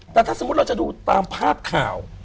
แต่ถ้าสมมุติเราจะดูตามภาพข่าว